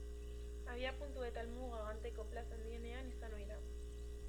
Abiapuntu eta helmuga Ganteko plaza handienean izan ohi da.